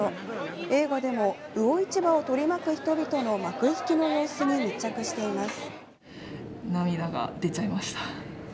映画でも魚市場を取り巻く人々の幕引きの様子に密着しています。